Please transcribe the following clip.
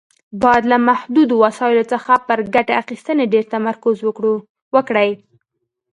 باید له محدودو وسایلو څخه پر ګټې اخیستنې ډېر تمرکز وکړي.